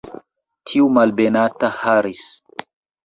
Tiu malbenata Harris!